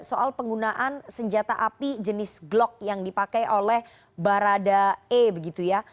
soal penggunaan senjata api jenis glock yang dipakai oleh barada e begitu ya